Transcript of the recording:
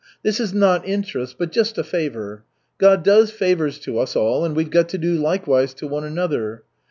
"This is not interest, but just a favor. God does favors to us all, and we've got to do likewise to one another.